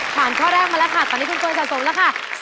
ข้อแรกมาแล้วค่ะตอนนี้คุณเปิ้ลสะสมแล้วค่ะ